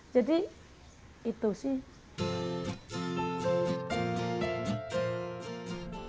jadi itu sih